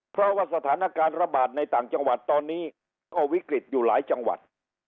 เพราะว่าสถานการณ์ระบาดในต่างจังหวัดตอนนี้ก็วิกฤตอยู่หลายจังหวัด